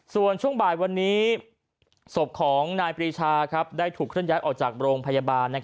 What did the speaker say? ส่วนช่วงบ่ายวันนี้ศพของนายปรีชาได้ถูกเคลื่อนย้ายออกจากโรงพยาบาล